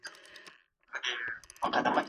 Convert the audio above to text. آیا مېلمانه به په دې خونه کې په ارامه خوب وکړي؟